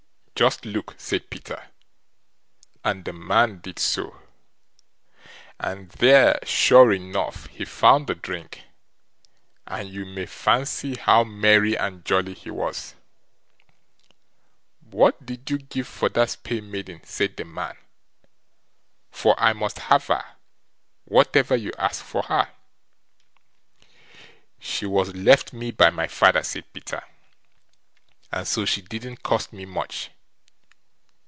"Just look", said Peter; and the man did so, and there, sure enough, he found the drink, and you may fancy how merry and jolly he was. "What did you give for that spae maiden?" said the man, "for I must have her, whatever you ask for her." "She was left me by my father", said Peter, "and so she didn't cost me much.